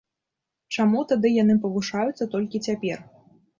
Чаму тады яны павышаюцца толькі цяпер?